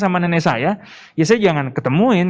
sama nenek saya ya saya jangan ketemuin